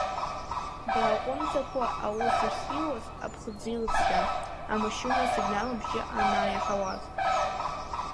Дааҟәымҵӡакәа аус ахьиуаз, аԥхӡы илҵхьан, амашьына асигнал бжьы анааиаҳауаз.